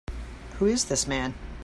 Who is this man?